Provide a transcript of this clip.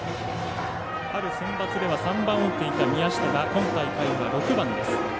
春センバツでは３番を打っていた宮下が今大会は、６番です。